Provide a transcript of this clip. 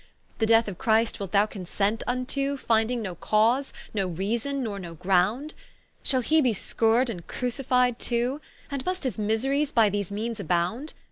The death of Christ wilt thou consent vnto Finding no cause, no reason, nor no ground? Shall he be scour'd and crucified too? And must his miseries by thy meanes abound?